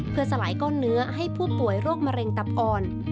เพื่อสลายก้อนเนื้อให้ผู้ป่วยโรคมะเร็งตับอ่อน